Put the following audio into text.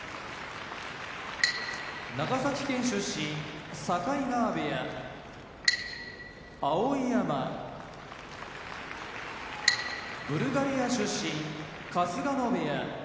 長崎県出身境川部屋碧山ブルガリア出身春日野部屋